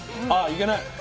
ああいけない。